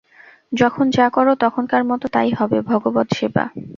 যখন যা কর, তখনকার মত তাই হবে ভগবৎ-সেবা।